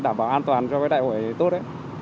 đảm bảo an toàn cho cái đại hội tốt